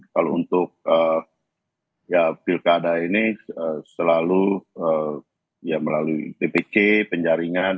kalau untuk pilkada ini selalu ya melalui dpc penjaringan